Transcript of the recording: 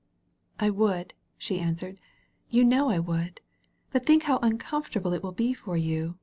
"I would," she answered, "you know I would. But think how uncomfortable it will be for you.